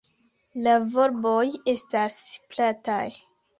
La volboj estas plataj.